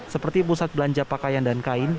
seperti pusat belanja pakaian dan kain